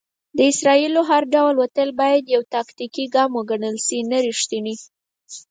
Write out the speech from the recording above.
د اسرائیلو هر ډول وتل بايد يو "تاکتيکي ګام وګڼل شي، نه ريښتينی".